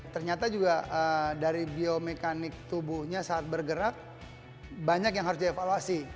ternyata juga dari biomekanik tubuhnya saat bergerak banyak yang harus dievaluasi